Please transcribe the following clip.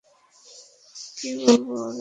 কী বলল ওরা?